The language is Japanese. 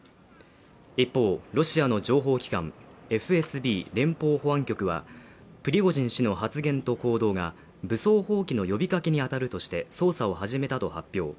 一方、ロシアの情報機関ＦＳＢ＝連邦保安局は、プリゴジン氏の発言と行動が武装蜂起の呼びかけに当たるとして捜査を始めたと発表。